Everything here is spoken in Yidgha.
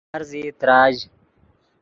تو لارزیئی تراژ